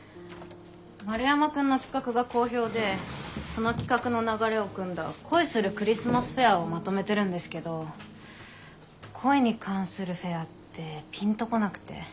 丸山くんの企画が好評でその企画の流れをくんだ「恋するクリスマスフェア」をまとめてるんですけど恋に関するフェアってピンと来なくて。